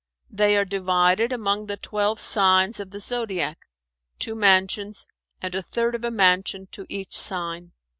They are divided among the twelve Signs of the Zodiac, two Mansions and a third of a Mansion to each Sign.